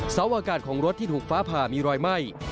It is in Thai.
อากาศของรถที่ถูกฟ้าผ่ามีรอยไหม้